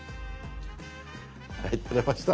はい撮れました。